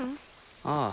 ああ。